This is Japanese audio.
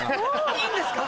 いいんですか？